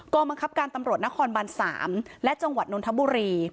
กรมกรรมครับการตำรวจนครบันสามและจังหวัดนทบุรี